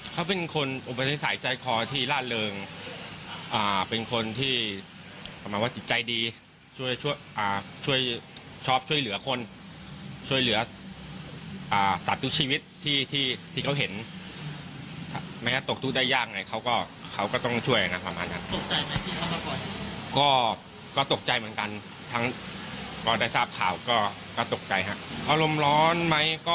เขาเป็นคนอุปสรรค์ใจคอที่ร่านเริงเป็นคนที่ประมาณว่าจิตใจดีช่วยช่วยชอบช่วยเหลือคนช่วยเหลือสัตว์ทุกชีวิตที่ที่เขาเห็นแม้ตกทุกได้ยากไงเขาก็เขาก็ต้องช่วยนะประมาณนั้นก็ก็ตกใจเหมือนกันทั้งก็ได้ทราบข่าวก็ก็ตกใจฮะอารมณ์ร้อนไหมก็ต้องช่วยนะประมาณนั้นก็ก็ตกใจเหมือนกันทั้งก็ได้ทราบข่าวก็